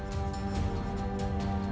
tuhan rakyat menunggu munggu berdaki